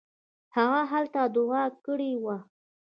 هغه هلته دوعا کړې وه.